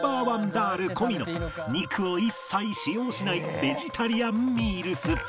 ダール込みの肉を一切使用しないベジタリアンミールス